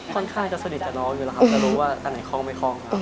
ค่อนข้างจะสนิทกับน้องอยู่แล้วครับแต่รู้ว่าอันไหนคล่องไม่คล่องครับ